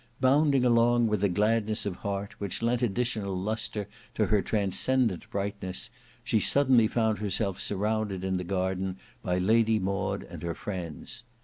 Bounding along with a gladness of the heart which lent additional lustre to her transcendent brightness, she suddenly found herself surrounded in the garden by Lady Maud and her friends.